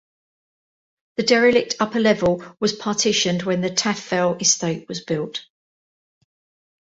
The derelict upper level was partitioned when the Taff Vale estate was built.